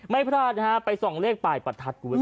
ไม่พลาดนะฮะไปส่องเลขป่ายประทัด